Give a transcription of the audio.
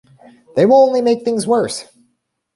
They will only make things worse.